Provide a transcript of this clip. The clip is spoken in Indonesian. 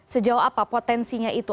sejauh apa potensinya itu